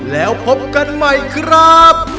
แล้วพบกันใหม่ครับ